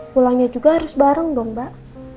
pulangnya juga harus bareng dong mbak